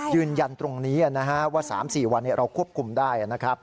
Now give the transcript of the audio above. ยืนยันตรงนี้ว่า๓๔วันเราควบคุมได้นะครับ